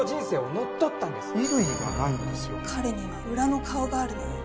彼には裏の顔があるのよ。